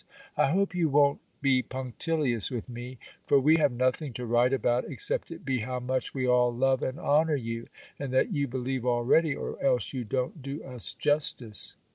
I hope you won't be punctilious with me. For we have nothing to write about, except it be how much we all love and honour you; and that you believe already, or else you don't do us justice.